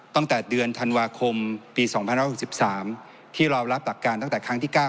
ตั้งแต่เดือนธันวาคมปีสองพันร้อยสิบสามที่เรารับตัดการตั้งแต่ครั้งที่เก้า